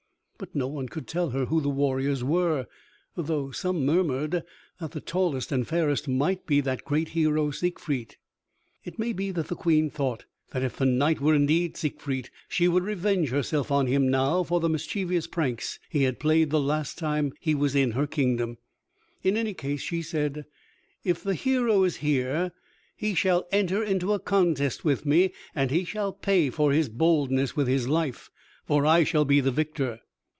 But no one could tell her who the warriors were, though some murmured that the tallest and fairest might be the great hero Siegfried. It may be that the Queen thought that if the knight were indeed Siegfried she would revenge herself on him now for the mischievous pranks he had played the last time he was in her kingdom. In any case she said, "If the hero is here he shall enter into contest with me, and he shall pay for his boldness with his life, for I shall be the victor."